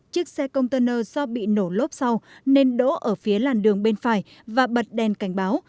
chiếc xe container do bị nổ lốp sau nên đỗ ở phía làn đường bên phải và bật đèn cảnh báo